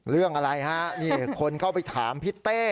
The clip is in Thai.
เรื่องอะไรฮะนี่คนเข้าไปถามพี่เต้